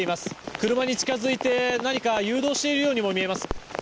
車に近づいて何か誘導しているようにも見えます。